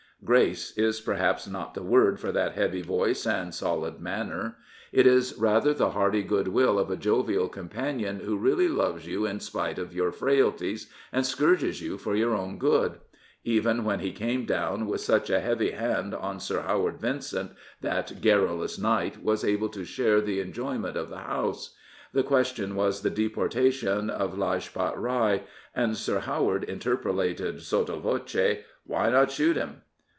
" Grace " is perhaps not the word for that heavy voice and solid manner. It is rather the hearty good will of a jovial companion who really loves you in spite of your frailties, and scourges you for your own good. Even when he came down with such a heavy 246 The Speaker hand on Sir Howard Vincent, that garrulous knight was able to share the enjoyment of the House. The question was the deportation of La j pat Rai, and Sir Howard interpolated, sotto voce, " Why not shoot him?